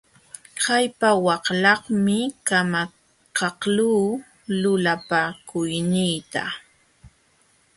Kallpawanlaqmi kamakaqluu lulapakuyniita.